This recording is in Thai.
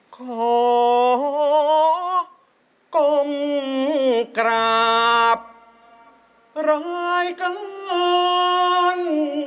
ขอคงกราบร้ายกัน